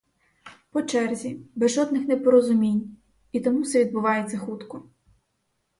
По черзі, без жодних непорозумінь, і тому все відбувається хутко.